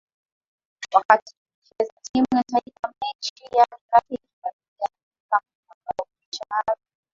wakati tukicheza timu ya taifa mechi ya kirafiki pale Kigali nikafunga bao kisha baada